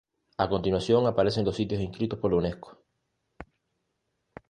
A continuación aparecen los sitios inscritos por la Unesco